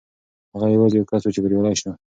هغه یوازې یو کس و چې بریالی شو.